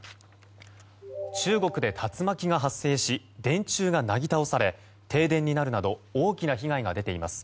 中国で竜巻が発生し電柱がなぎ倒され停電になるなど大きな被害が出ています。